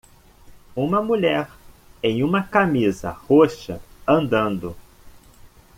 Uma mulher em uma camisa roxa andando.